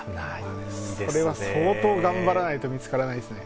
それは、相当頑張らないと見つからないですね。